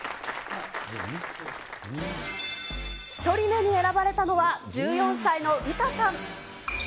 １人目に選ばれたのは、１４歳のウタさん。